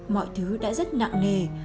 mọi thứ đã rất nặng nề